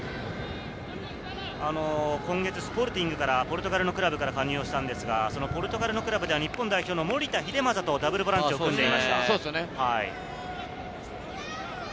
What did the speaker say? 今月、スポルティングからポルトガルのクラブから加入したんですが、ポルトガルのクラブでは日本代表の守田英正とダブルボランチを組んでいました。